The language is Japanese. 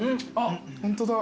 ホントだ。